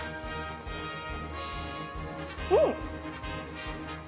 うん！